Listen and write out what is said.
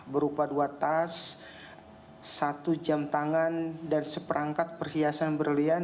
berupa dua tas satu jam tangan dan seperangkat perhiasan berlian